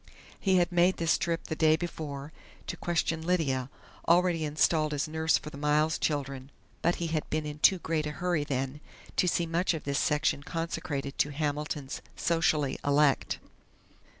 He had made this trip the day before to question Lydia, already installed as nurse for the Miles children, but he had been in too great a hurry then to see much of this section consecrated to Hamilton's socially elect....